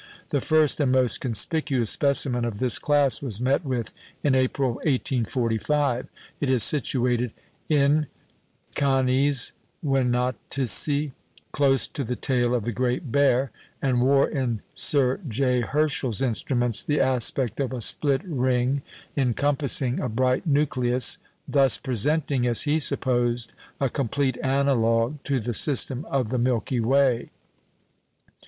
The first and most conspicuous specimen of this class was met with in April, 1845; it is situated in Canes Venatici, close to the tail of the Great Bear, and wore, in Sir J. Herschel's instruments, the aspect of a split ring encompassing a bright nucleus, thus presenting, as he supposed, a complete analogue to the system of the Milky Way.